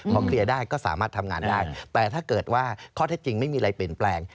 พอเคลียร์ได้ก็สามารถทำงานได้แต่ถ้าเกิดว่าข้อเท็จจริงไม่มีอะไรเปลี่ยนแปลง